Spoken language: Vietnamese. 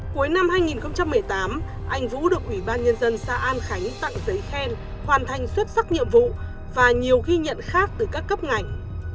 cuối năm hai nghìn một mươi tám anh vũ được ủy ban nhân dân xã an khánh tặng giấy khen hoàn thành xuất sắc nhiệm vụ và nhiều ghi nhận khác từ các cấp ngành